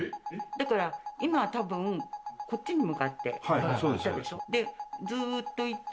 だから今多分こっちに向かって行ったでしょ。